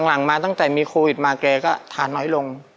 หลังมาตั้งแต่มีโควิดมาแกก็ทานน้อยลง